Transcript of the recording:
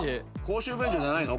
公衆便所じゃないの？